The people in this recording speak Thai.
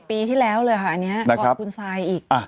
ปีที่แล้วเลยค่ะอันนี้ก่อนคุณซายอีก